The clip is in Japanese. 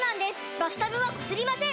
バスタブはこすりません！